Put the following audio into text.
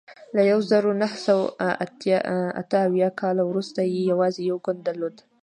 له یوه زرو نهه سوه اته اویا کال وروسته یې یوازې یو ګوند درلود.